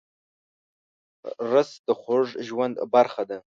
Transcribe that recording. رس د خوږ ژوند برخه ده